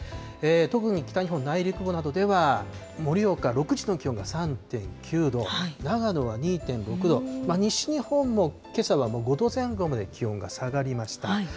特に北日本内陸などでは、盛岡６時の気温が３．９度、長野は２．６度、西日本もけさは５度前後まで気温が下がりました。